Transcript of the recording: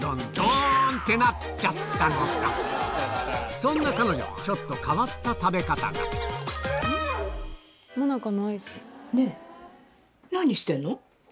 そんな彼女ちょっと変わった食べ方がねぇ。